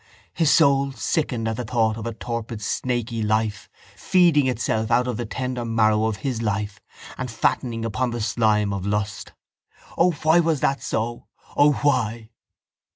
His soul sickened at the thought of a torpid snaky life feeding itself out of the tender marrow of his life and fattening upon the slime of lust. O why was that so? O why?